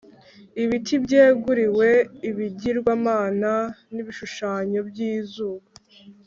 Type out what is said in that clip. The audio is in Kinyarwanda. ibiti byeguriwe ibigirwamana n’ibishushanyo by’izuba,